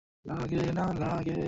prime Bank internet banking